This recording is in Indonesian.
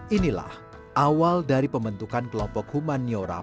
inilah awal dari pembentukan kelompok humaniora